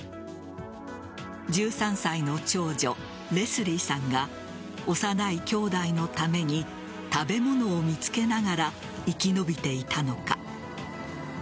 １３歳の長女・レスリーさんが幼いきょうだいのために食べ物を見つけながら生き延びていたのか。